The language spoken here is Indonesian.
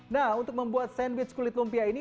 nah untuk membuat sandwich kulit lumpia ini